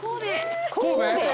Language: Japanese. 神戸。